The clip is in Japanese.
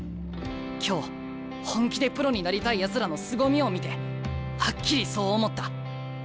今日本気でプロになりたいやつらのすごみを見てはっきりそう思った。